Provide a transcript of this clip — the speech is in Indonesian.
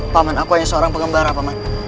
paman aku hanya seorang pengembara paman